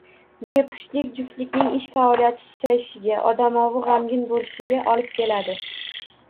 Bepushtlik juftlikning ish faoliyati susayishiga, odamovi, g‘amgin bo’lishiga olib keladi.